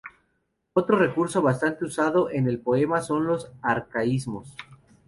Otro recurso bastante usado en el poema son los arcaísmos.